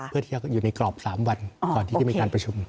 เพื่อที่จะอยู่ในกรอบ๓วันก่อนที่จะมีการประชุม